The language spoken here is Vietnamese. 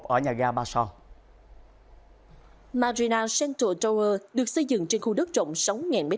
ở nhà ga ba so maria center tower được xây dựng trên khu đất rộng sáu m hai